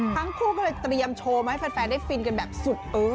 ทั้งคู่ก็เลยเตรียมโชว์มาให้แฟนได้ฟินกันแบบสุดเออ